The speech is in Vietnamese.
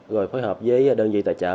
rồi phối hợp với đơn vị tài trợ